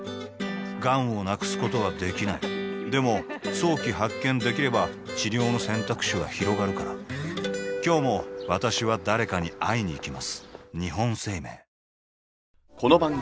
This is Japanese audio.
がんを無くすことはできないでも早期発見できれば治療の選択肢はひろがるから今日も私は誰かに会いにいきます